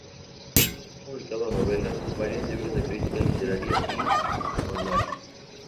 Ha publicado novelas, varios libros de crítica literaria y poemarios.